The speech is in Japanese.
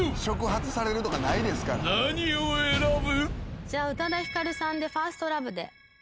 ［何を選ぶ？］